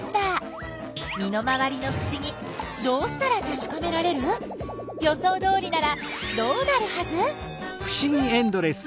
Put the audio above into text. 身の回りのふしぎどうしたらたしかめられる？予想どおりならどうなるはず？